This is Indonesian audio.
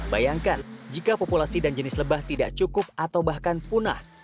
bayangkan jika populasi dan jenis lebah tidak cukup atau bahkan punah